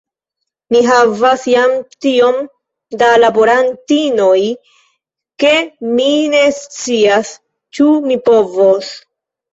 Mi havas jam tiom da laborantinoj, ke mi ne scias, ĉu mi povos.